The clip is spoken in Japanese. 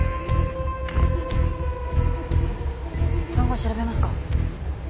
番号調べますか？